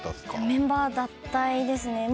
メンバー脱退ですね。